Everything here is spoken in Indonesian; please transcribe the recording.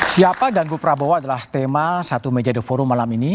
siapa ganggu prabowo adalah tema satu meja the forum malam ini